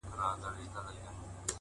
زه چي غرغړې ته ورختلم اسمان څه ویل!